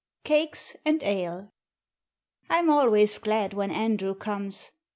Cakes and Ale I'm always glad when Andrew comes.